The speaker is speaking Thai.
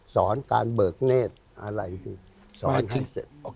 สอนการเบิกเนธอะไรสิสอนให้เสร็จ